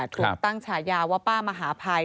ถูกตั้งฉายาว่าป้ามหาภัย